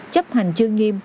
chấp hành chưa nghiêm